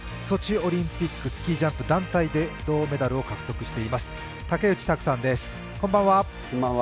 ソチオリンピックスキージャンプ団体で銅メダルを獲得しています竹内択さんです。